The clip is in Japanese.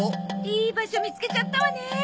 いい場所見つけちゃったわね。